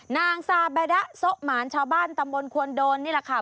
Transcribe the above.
นางซาแบดะโซะหมานชาวบ้านตำบลควนโดนนี่แหละค่ะ